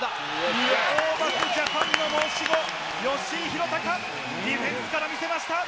ホーバスジャパンの申し子、吉井裕鷹、ディフェンスから見せました。